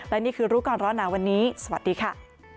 และนี่คือรู้ก่อนร้อนหนาวันนี้สวัสดีค่ะ